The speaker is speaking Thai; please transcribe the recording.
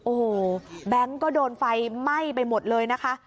โอ้โหแบงค์ก็โดนไฟไหม้ไปหมดเลยนะคะ